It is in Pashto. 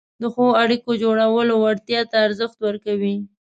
د ښو اړیکو جوړولو وړتیا ته ارزښت ورکوي،